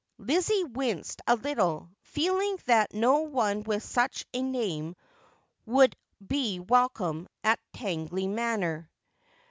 Lizzie winced a little, feeling that no one with such a name would be welcome at Tangley Manor.